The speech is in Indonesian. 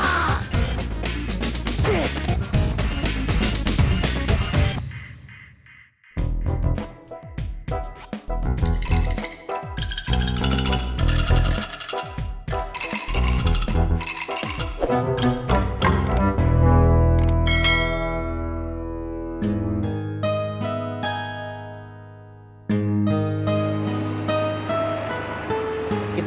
aku mau lihat